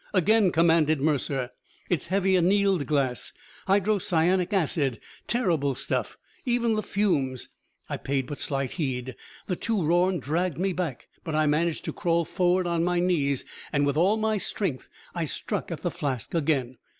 "Again!" commanded Mercer. "It's heavy annealed glass hydrocyanic acid terrible stuff even the fumes " I paid but slight heed. The two Rorn dragged me back, but I managed to crawl forward on my knees, and with all my strength, I struck at the flask again.